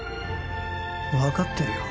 分かってるよ